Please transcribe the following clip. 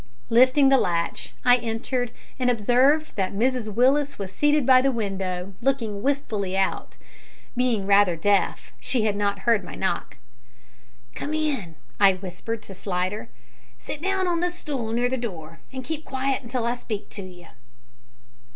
Lifting the latch, I entered, and observed that Mrs Willis was seated by the window, looking wistfully out. Being rather deaf, she had not heard my knock. "Come in," I whispered to little Slidder, "sit down on this stool near the door, and keep quiet until I speak to you."